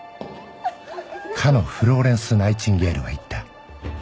かのフローレンス・ナイチンゲールは言った